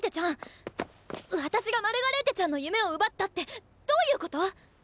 私がマルガレーテちゃんの夢を奪ったってどういうこと？